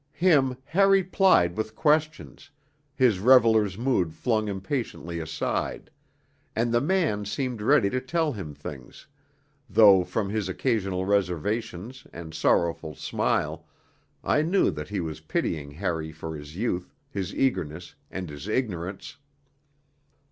Him Harry plied with questions, his reveller's mood flung impatiently aside; and the man seemed ready to tell him things, though from his occasional reservations and sorrowful smile I knew that he was pitying Harry for his youth, his eagerness and his ignorance.